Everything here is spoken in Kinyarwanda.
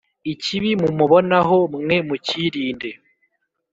ikibi mumubonaho mwe mukirinde